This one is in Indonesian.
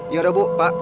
ya udah bu pak